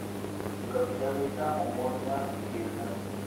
Su capital es la homónima Riazán.